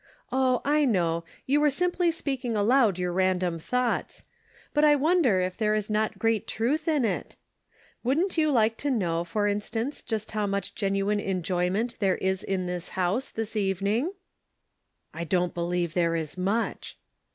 " Oh, I know ; you were simply speaking aloud your random thoughts. But I wonder if there is not great truth in it? Wouldn't you like to know, for instance, just ho\v much genuine enjoyment there is in this house this evening?" " I don't believe there is much."